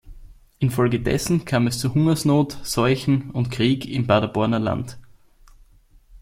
In Folge dessen kam es zu Hungersnot, Seuchen und Krieg im Paderborner Land.